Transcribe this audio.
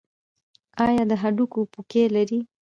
ایا د هډوکو پوکي لرئ؟